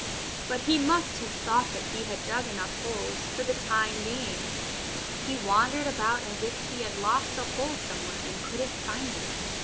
But he must have thought that he had dug enough holes for the time being. He wandered about as if he had lost a hole somewhere and couldn't find it.